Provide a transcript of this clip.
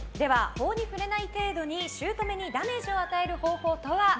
法に触れない程度に姑にダメージを与える方法とは？